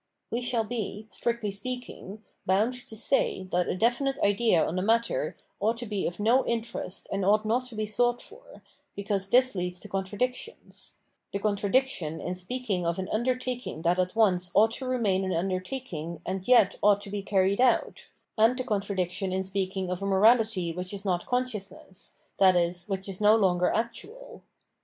We shall be, strictly spealdng, bound to say that a definite idea on the matter ought to be of no interest and ought not to be sought for, because this leads to contradictions — the contradiction in speak ing of an undertaking that at once ought to remain an undert akin g and yet ought to be carried out, and the contradiction in speaking of a morahty which is not consciousness, i.e. which is no longer actual.